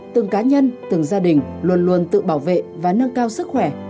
từng cá nhân từng gia đình luôn luôn tự bảo vệ và nâng cao sức khỏe